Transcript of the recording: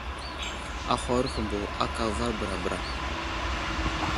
Ahwaro humbo aka avar bəra bəra.